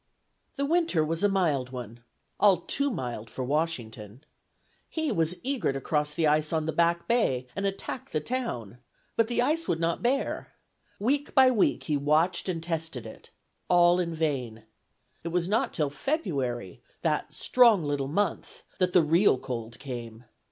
The winter was a mild one: all too mild for Washington. He was eager to cross the ice on the Back Bay and attack the town; but the ice would not bear. Week by week he watched and tested it; all in vain. It was not till February, that "strong little month," that the real cold came.